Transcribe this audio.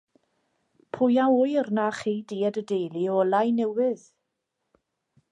Pwy a ŵyr na chei di a dy deulu olau newydd.